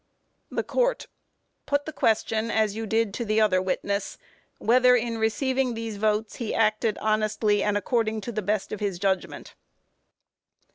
THE COURT: Put the question as you did to the other witness whether in receiving these votes he acted honestly and according to the best of his judgment.